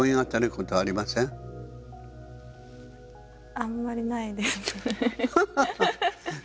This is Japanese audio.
あんまりないです。